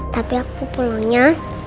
tapi aku pulangnya